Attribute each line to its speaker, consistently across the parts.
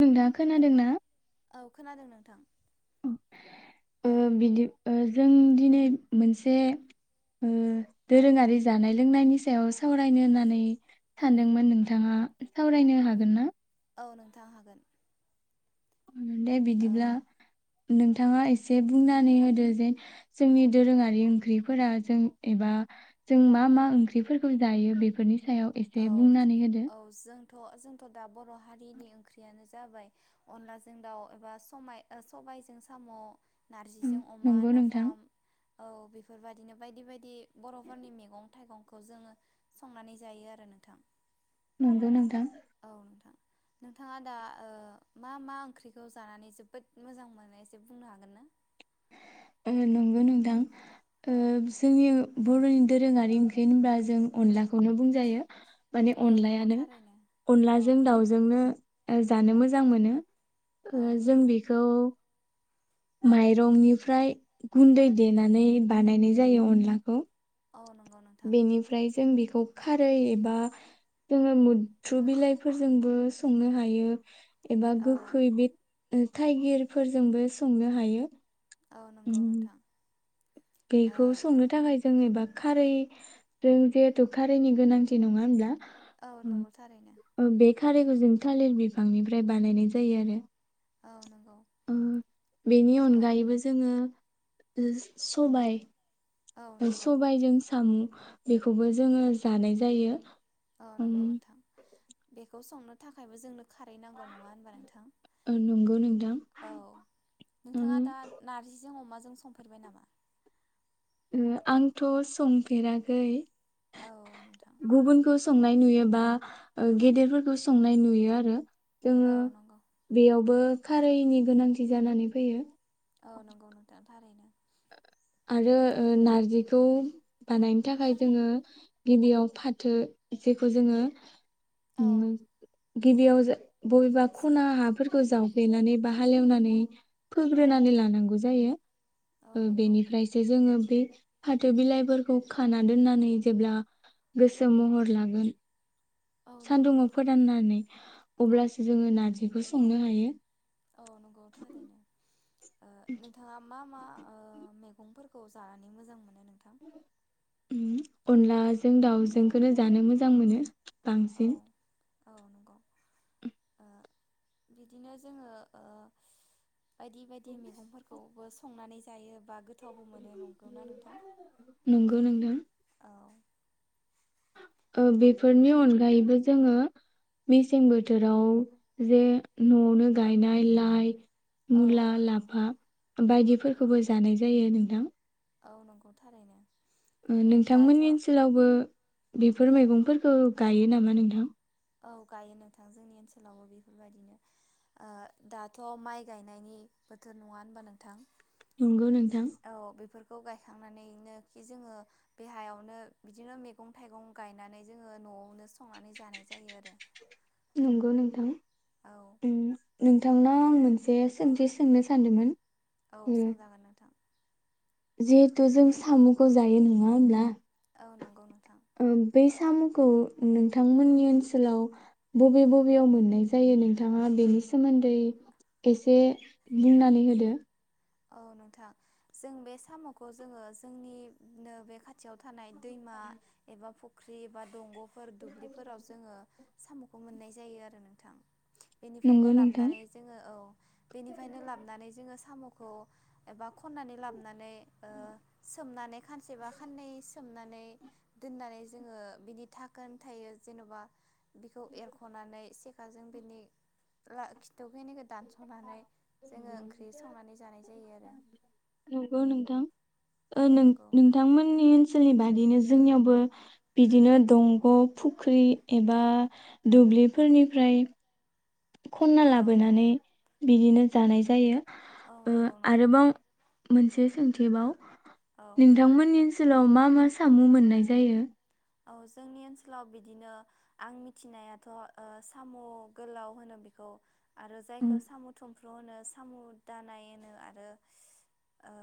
Speaker 1: नोंथांआ खोनादों ना
Speaker 2: औ खोनादों नोंथां
Speaker 1: ओ
Speaker 2: औ
Speaker 1: बिदि ओ जों दिनै मोनसे
Speaker 2: औ
Speaker 1: दोरोङारि जानाय लोंनायनि सायाव सावरायनो होननानै सानदोंमोन नोंथाङा सावरायनो हागोन ना?
Speaker 2: औ नोंथां हागोन
Speaker 1: दे
Speaker 2: औ
Speaker 1: बिदिब्ला नोंथाङा एसे बुंनानै होदो जे जोंनि दोरोङारि ओंख्रिफोरा जों एबा जों मा मा ओंख्रिफोरखौ जायो बेफोरनि सायाव एसे
Speaker 2: औ
Speaker 1: बुंनानै होदो
Speaker 2: औ जोंथ' जोंथ' दा बर' हारिनि ओंख्रियानो जाबाय अनलाजों दाउ एबा सबाय सबायजों साम' नारजिजों अमा
Speaker 1: नंगौ नोंथां
Speaker 2: नाफाम औ बेफोरबायदिनो बायदि बायदि बर'फोरनि मैगं थाइगंखौ खौ जोङो संनानै जायो आरो [unintelligible] नोंथां
Speaker 1: नंगौ नोंथां
Speaker 2: औ नोंथां नोंथाङा दा मा मा ओंख्रिखौ जानानै जोबोद मोजां मोनोसे बुंनो हागोन ना?
Speaker 1: औ नंगौ नोंथां ओ
Speaker 2: औ
Speaker 1: जोंनि बर'नि दोरोङारि ओंख्रि होनब्ला जों अनलाखौनो बुंजायो। माने
Speaker 2: औ नंगौ
Speaker 1: अनलायानो
Speaker 2: थारैनो औ
Speaker 1: अनलाजों दाउजोंनो जानो मोजां मोनो
Speaker 2: औ
Speaker 1: ओ जों
Speaker 2: नोंथां
Speaker 1: बेखौ माइरंनिफ्राय गुन्दै देनानै बानायनाय जायो अनलाखौ
Speaker 2: औ नंगौ नोंथां
Speaker 1: बेनिफ्राय जों बेखौ खारै एबा जोङो मुद्रु बिलाइफोरजोंबो संनो हायो। एबा
Speaker 2: औ
Speaker 1: गोखै बिद उम थाइगिरफोरजोंबो संनो हायो।
Speaker 2: औ
Speaker 1: उम
Speaker 2: नंगौ नोंथां। ओ
Speaker 1: बेखौ संनो थाखाय जोङो एबा खारै जों जिहेथु खारैनि गोनांथि नङा होमब्ला।
Speaker 2: औ नंगौ थारैनो।
Speaker 1: खारैखौ जों थालिर बिफांनिफ्राय बानायनाय जायो आरो
Speaker 2: औ नंगौ।
Speaker 1: ओ बेनि
Speaker 2: औ
Speaker 1: अनगायैबो जोङो। सबाय
Speaker 2: औ नंगौ
Speaker 1: सबायजों साम' बेखौबो जोङो जानाय जायो।
Speaker 2: औ
Speaker 1: उम
Speaker 2: नंगौ नोंथां बेखौ संनो थाखायबो जोंनो खारै नांगौ नङा होनबा नोंथां?
Speaker 1: ओ, नंगौ नोंथां
Speaker 2: औ
Speaker 1: उम
Speaker 2: नोंथाङा दा नारजिजों अमाजों जों संफेरबाय नामा
Speaker 1: ओ आंथ' संफेराखै।
Speaker 2: औ नोंथां
Speaker 1: गुबुनखौ संनाय नुयो बा ओ गेदेरफोरखौ संनाय नुयो आरो। जोङो
Speaker 2: औ नंगौ
Speaker 1: बेयाव बो खारैनि गोनांथि जानानै फैयो।
Speaker 2: औ नंगौ नोंथां थारैनो।
Speaker 1: आरो ओ नारजिखौ बानायनो थाखाय जोङो गिदिरयाव फाथो जेखौ जोङो
Speaker 2: औ
Speaker 1: उम गिबियाव बबेबा ख'ना हाफोरखौ खौ जावफेनानै बा हालेवनानै
Speaker 2: औ
Speaker 1: फोग्रोनानै लानांगौ जायो।
Speaker 2: औ
Speaker 1: ओ,
Speaker 2: नंगौ।
Speaker 1: बेनिफ्रायसो जोङो बे
Speaker 2: औ नंगौ
Speaker 1: सानदुङाव
Speaker 2: नोंथां
Speaker 1: फोराननानै अब्लासो जोङो नार्जिखौ संनो हायो।
Speaker 2: औ नंगौ थारैनो। ओ नोंथाङा मा मा ओ मैगंफोरखौ जानानै मोजां मोनो? नोंथां
Speaker 1: उम अनलाजों दाउजोंखौनो जानो मोजां मोनो
Speaker 2: औ
Speaker 1: बांसिन
Speaker 2: औ नंगौ ओ बिदिनो जोङो ओ बायदि बायदि मैगंफोरखौ संनानै जायो बा गो
Speaker 1: नंगौ नोंथां
Speaker 2: औ
Speaker 1: ओ बेफोरनि अनगायैबो जोङो मेसें बोथोराव जे न'आवनो गायनाय लाइ
Speaker 2: औ औ
Speaker 1: मुला
Speaker 2: नंगौ
Speaker 1: लाफा
Speaker 2: औ
Speaker 1: बायदिफोरखौबो जानाय जायो थां
Speaker 2: औ नंगौ थारैनो
Speaker 1: ओ नोंथांमोननि ओनसोलावबो बेफोर मैगंफोरखौ गायो नामा नोंथां
Speaker 2: औ गायो नोंथां जोंनि ओनसोलावबो बेफोरबायदिनो ओ दाथ' माइ गायनायनि बोथोर नङा होनबा नोंथां
Speaker 1: नंगौ नों
Speaker 2: औ बेफोर खौ गायखांनानैनो खि जोङो बे हायावनो बिदिनो मैगं थाइगं गायनानै जोङो न'आवनो संनानै जानाय जायो आरो
Speaker 1: नंगौ नोंथां
Speaker 2: औ
Speaker 1: ओं नोंथांनाव आं मोनसे सोंथि सोंनो सानदोंमोन
Speaker 2: औ
Speaker 1: ओ
Speaker 2: सोंजागोन नोंथां।
Speaker 1: जिहेथु जों साम'खौ जायो नङा होमब्ला
Speaker 2: औ नंगौ नोंथां।
Speaker 1: ओं बै साम'खौ नोंथांमोननि ओनसोलाव बबे बबेयाव मोननाय जायो नोंथाङा बेनि सोमोन्दै एसे बुंनानै होदो।
Speaker 2: औ नोंथां जों बे साम'खौ जोङो जोंनिनो बे खाथियाव थानाय दैमा एबा फु ख्रि एबा दंग' फोर दुब्लिफोराव जोङो साम'खौ मोननाय जायो आरो नोंथां। बेनिफ्रायनो
Speaker 1: नंगौ नोंथां
Speaker 2: लाबनै जोङो औ बेनिफ्रायनो लाबानै जोङो साम' खौ एबा खननानै लाबनानै ओ सोमनानै खानसेबा खाननै सोमनानै दोननानै जोङो बिनि धाखोन थायो जेन'बा बेखौ एरख'नानै से खातों बिनि ला खिथ थौ खिनिखौ दानस'नानै जोङो ओंख्रि संनानै जायो आरो
Speaker 1: नंगौ नोंथां।
Speaker 2: औ
Speaker 1: ओ
Speaker 2: नंगौ
Speaker 1: नोंथांमोननि ओन सोलनि बादिनो जोंनियावबो बिदिनो दंग' फुख्रि एबा दुब्लिफोरनिफ्राय खनना
Speaker 2: औ
Speaker 1: लाबोनानै बिदिनो जानाय जायो।
Speaker 2: औ
Speaker 1: ओ
Speaker 2: नंगौ नोंथां
Speaker 1: आरोबाव मोनसे सोंथिबाव
Speaker 2: औ
Speaker 1: नोंथांमोननि ओन सोलाव मा मा सामु मोननाय जायो?
Speaker 2: औ जोंनि ओनसोलाव बिदिनो आं मिथिनायाथ' ओ साम' गोलाव होनो बेखौ। आरो
Speaker 1: उम,
Speaker 2: जायखौ साम'थुम- फ्र' होनो साम' दानाय होनो आरो ओ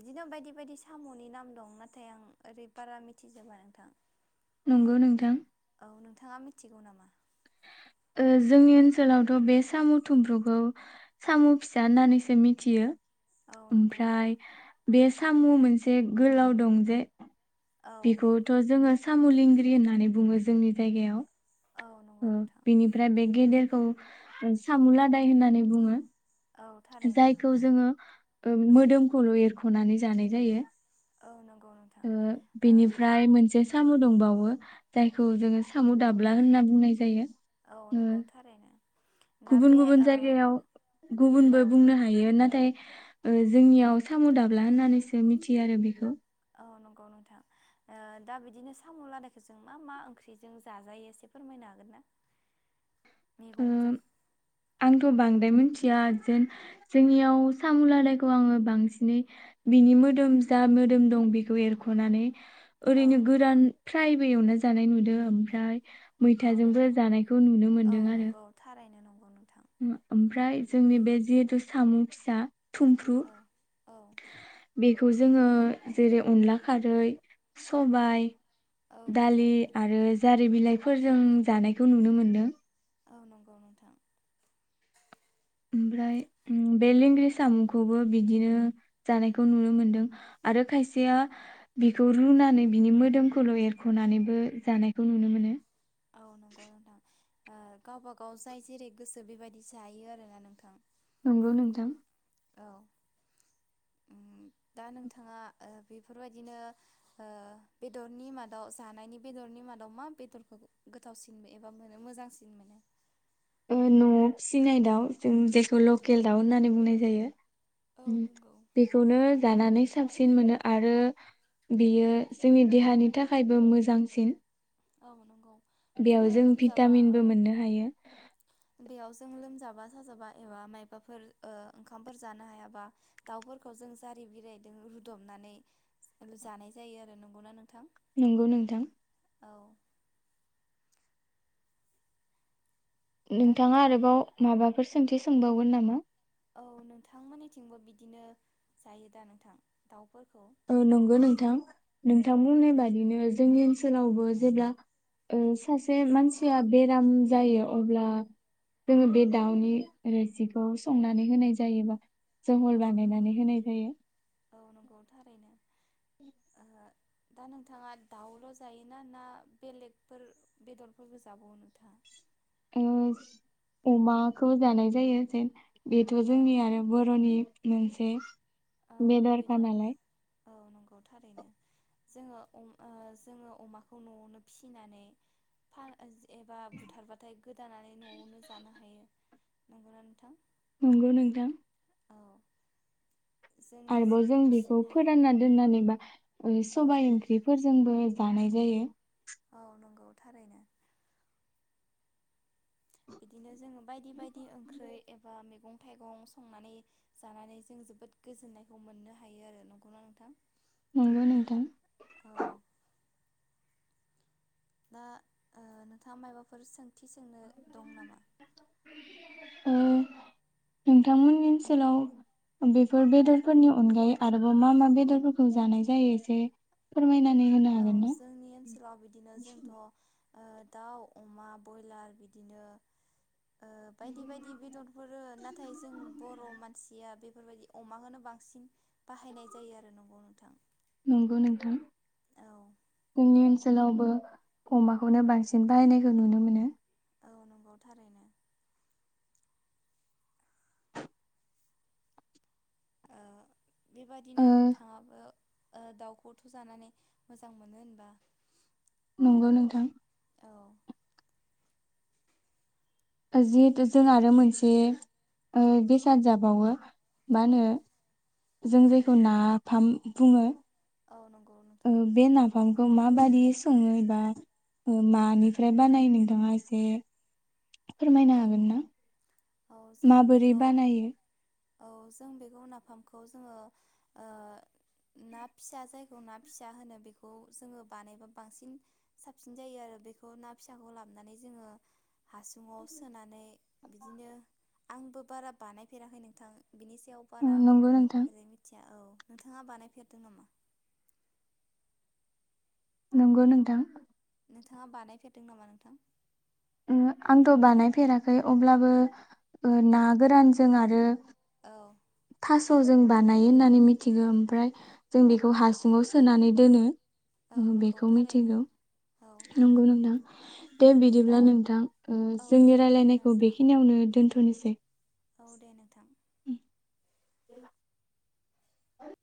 Speaker 2: बिदिनो बायदि बायदि साम'नि नाम दं नाथाय आं ओरै बारा मिथिजोबा नोंथां।
Speaker 1: नंगौ नोंथां।
Speaker 2: थाङा मिथिगौ नामा?
Speaker 1: ओ जोंनि ओनसोलावथ' बे साम' थुमफ्रुखौ साम' फिसा होननानैसो मिथियो।
Speaker 2: औ नंगौ
Speaker 1: ओमफ्राय
Speaker 2: नोंथां
Speaker 1: बे साम' मोनसे गोलाव दं जे
Speaker 2: औ
Speaker 1: बेखौथ' जोङो साम' लिंग्रि होननानै बुङो जोंनि जायगायाव।
Speaker 2: औ नंगौ नोंथां
Speaker 1: खौ सामु लादाय होननानै बुङो।
Speaker 2: औ थारैनो
Speaker 1: जायखौ
Speaker 2: नंगौ
Speaker 1: जोङो- मोदोमखौल' एरख'नानै जानाय जायो।
Speaker 2: औ नों -
Speaker 1: बिनिफ्राय मोनसे- साम' दंबावो जायखौ जोङो साम' दाबला होनना बुंनाय जायो।
Speaker 2: औ
Speaker 1: ओ
Speaker 2: नंगौ थारैनो। दा
Speaker 1: गुबुन
Speaker 2: बे
Speaker 1: गुबुन
Speaker 2: ओ
Speaker 1: जायगायाव गुबुनबो
Speaker 2: औ
Speaker 1: बुंनो हायो नाथाय- ओ जोंनियाव साम' दाबला होननानैसो मिथियो आरो बेखौ।
Speaker 2: औ नंगौ नोंथां ओ दा बिदिनो साम' लदायखौ जों मा मा ओंख्रिजों जाजायो एसे फोरमायनो हागोन ना? मैगंजों
Speaker 1: उम आंथ' बांद्राय मिथि- खुया जेन जोंनियाव साम' लादायखौ आङो बांसिनै बिनि मोदोम जा मोदोम दं बेखौ एरख'नानै
Speaker 2: औ
Speaker 1: ओरैनो गोरान फ्रायबोे एवना जानाय नुदों ओमफ्राय
Speaker 2: औ
Speaker 1: मैथाजोंबो
Speaker 2: नंगौ
Speaker 1: जानायखौ नुनो
Speaker 2: औ
Speaker 1: मोनदों आरो।
Speaker 2: नंगौ थारैनो नं
Speaker 1: ओमफ्राय जोंनि बे जिहेथु साम फिसा थुमफ्रु
Speaker 2: औ औ
Speaker 1: बेखौ खौ जोङो जेरै अनला खारै सबायाइ
Speaker 2: औ
Speaker 1: दालि
Speaker 2: थारैनो
Speaker 1: आरो जारि बिलाइ फोरजों जानायखौ नुनो मोनदों
Speaker 2: औ नंगौ नोंथां।
Speaker 1: ओमफ्राय बे लेंग्रि सामखौबो बिदिनो जानायखौ नुनो मोनदों आरो खायसेया बिखौ रुनानै बिनि मोदोमखौल एरखनानैबो जानायखौ नुनो मोनो
Speaker 2: औ नंगौ नोंथां ओ गावबा गाव जाय जेरै गोसो बेबायदि जायो आरोना नोंथां।
Speaker 1: नंगौ नोंथां।
Speaker 2: औ दा नोंथाङा बेफोरबायदिनो ओ बेदरनि मादाव जानायनि बेदरनि मादाव मा बेदरखौ गोथावसिनबो एबा मोनो मोजांसिन मोनो।
Speaker 1: न'आव फिसिनाय दाउ जों जेखौ लकेल दाउ होननानै बुंनाय
Speaker 2: औ
Speaker 1: जायो।
Speaker 2: नंगौ
Speaker 1: बेखौनो जानानै साबसिन मोनो आरो बेयो जोंनि देहानि थाखायबो मोजांसिन
Speaker 2: औ नंगौ।
Speaker 1: बेयाव
Speaker 2: जोङो
Speaker 1: जों
Speaker 2: लोमजाबा औ
Speaker 1: भिटामिनबो मोननो हायो।
Speaker 2: बेयाव जों लोमजाबा साजाबा एबा माबाफोर ओंखाम फोर जानो हायाबा दाउफोरखौ जों जारि बिलाइजों रुदबनानै जानाय जायो आरो नंगौ ना नोंथां‌।
Speaker 1: नंगौ नोंथां। नोंथां आरोबाव माबाफोर सों सोंथि सोंबावगोन नामा?
Speaker 2: औ नोंथांमोननि थिंबो जायोदा नोंथां दाउ
Speaker 1: औ नंगौ नोंथां
Speaker 2: औ
Speaker 1: नोंथांमोननि बादिनो जोंनि ओनसोलावबो जेब्ला ओ सासे
Speaker 2: औ
Speaker 1: मानसिया बेराम जायो अब्ला जोङो बे दाउनि रोसिखौ संनानै होनाय जायोबा जहल
Speaker 2: औ नंगौ
Speaker 1: बानायनानै होनाय जायो
Speaker 2: औ नंगौ थारैनो
Speaker 1: ओ‌‌ अमाखो जानाय जायो बेथ
Speaker 2: औ
Speaker 1: जोंनि आरो बरनि मोनसे
Speaker 2: औ बेदर
Speaker 1: बेदरखानालाय
Speaker 2: जोङो अमाखौ नआवनो फिसिनानै फा [unintelligible] नंगौना नोंथां
Speaker 1: नंगौ नोंथां
Speaker 2: औ जों
Speaker 1: आरोबाव जों
Speaker 2: निजेनो
Speaker 1: बेखौ
Speaker 2: फिसिनाय
Speaker 1: फोरानना दोननानैबा ओ
Speaker 2: औ
Speaker 1: सबायाइ ओंख्रिफोरजोंबो लानाय जायो
Speaker 2: औ नंगौ थारैनो बिदिनो जोंङो बायदि बायदि ओंख्रि एबा मैगं थाइगं संनानै जानानै जों जोबोद गोजोन्नायखौ मोननो हायो आरो नंगना नोंथां
Speaker 1: नंगौ नोंथां
Speaker 2: औ दा ओ नोंथाङा मायबाफोर सों थि सोंनो दं नामा।
Speaker 1: ओ नोंथांमोननि ओनसोलाव बेफोर बेदरफोरनि अनगायै आरोबाव मा मा बेदरफोरखौ जानाय जायो एसे फोरमायनाय
Speaker 2: औ जोंनि ओनसोलाव बिदिनो जोंथ ओ दाउ अमा बयलार बिदिनो ओ बायदि बायदि बेदरफोर नाथाय जों बर मानसिया बे बेफोरबायदि अमाखौनो बांसिन बाहायनाय जायो आरो नंगौ [inaudible]
Speaker 1: नंगौ नोंथां
Speaker 2: औ
Speaker 1: जोंनि ओनसोलावबो अमाखौनो बांसिन बाहायनायखौ नुनो मोनो
Speaker 2: औ नंगौ थारैनो औ
Speaker 1: ओ
Speaker 2: बेबायदिनो नोंथाङाबो ओ दाउखौथ जानानै मोजां मोनो होनबा
Speaker 1: नंगौ नोंथां
Speaker 2: औ
Speaker 1: जिहेथु जों आरो मोनसे ओ बेसाद जाबावो मा
Speaker 2: औ
Speaker 1: होनो जों जायखौ नाफाम बुङो
Speaker 2: औ नंगौ
Speaker 1: उम
Speaker 2: नोंथां
Speaker 1: बे नाफाम उम माबायदि संङो एबा मानिफ्राय बानायो नोंथाङा एसे फोरमायनो हागोन ना?
Speaker 2: औ जों
Speaker 1: माबोरै
Speaker 2: बेखौ
Speaker 1: बानायो
Speaker 2: औ जों बेखौ नाफामखौ जोंङो ओ ना फिसा जायखौ ना फिसा होनो बेखौ जोंङो बानायबा बांसिन साबसिन जायो आरो बेखौ ना फिसाखौ लाबोनानै जोंङो हासुङाव सोनानै आंबो बारा बानायफेराखै नोंथां बिनि सायाव बार आं
Speaker 1: नंगौ नोंथां
Speaker 2: ओरै मिथिया औ नोंथाङा बानायफेरदों नामा?
Speaker 1: नंगौ नोंथां
Speaker 2: नोंथाङा बानायफेरदों नामा नोंथां?
Speaker 1: ओ आंथ' बानायफेराखै अब्लाबो ओ ना गोरानजों आरो
Speaker 2: औ
Speaker 1: थास' जों बानायो होननानै मिथिगो ओमफ्राय जों बेखौ हासुङाव सोनानै दोनो।
Speaker 2: औ नंगौ
Speaker 1: बेखौ
Speaker 2: थारैनो
Speaker 1: मिथिगौ
Speaker 2: औ
Speaker 1: नंगौ नोंथां दे
Speaker 2: दा
Speaker 1: बिदिब्ला नोंथां
Speaker 2: औ दे
Speaker 1: जोंनि
Speaker 2: बिदिब्ला
Speaker 1: रायलायनायखौ
Speaker 2: नोंथां
Speaker 1: बेखिनियावनो दोन्थ'नोसै दे
Speaker 2: औ दे नोंथां
Speaker 1: [inaudible]